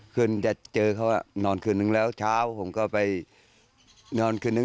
คืนจะเจอเขานอนคืนนึงแล้วเช้าผมก็ไปนอนคืนนึง